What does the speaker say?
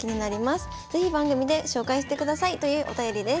是非番組で紹介してください」というお便りです。